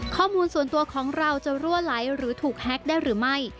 ข้อมูลส่วนตัวของเราจะรั่วไหลหรือถูกแฮ็กได้หรือไม่